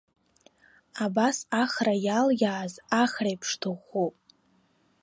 Абас ахра иалиааз, ахреиԥш дыӷәӷәоуп.